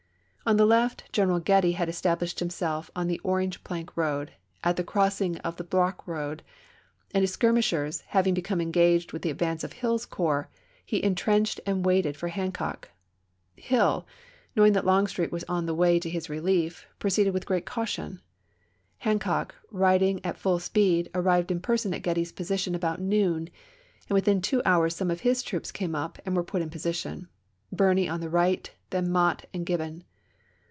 On the left General Getty had established him self on the Orange plank road at the crossing of the Brock road ; and his skirmishers having become engaged with the advance of Hill's corps, he in trenched and waited for Hancock. Hill, knowing that Longstreet was on the way to his relief, pro ceeded with great caution. Hancock, riding at full speed, arrived in person at Getty's position about noon, and within two hours some of his troops came up and were put in position, Birney on the right, then Mott and Gibbon.